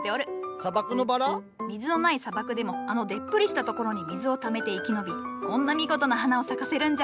水のない砂漠でもあのでっぷりしたところに水をためて生き延びこんな見事な花を咲かせるんじゃ。